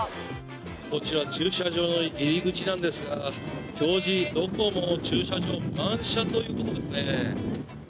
こちら駐車場の入り口なんですが表示、どこも駐車場満車ということですね。